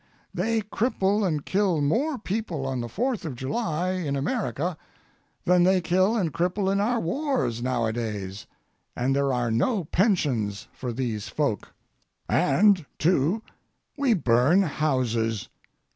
They cripple and kill more people on the Fourth of July in America than they kill and cripple in our wars nowadays, and there are no pensions for these folk. And, too, we burn houses.